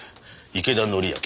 池田典昭。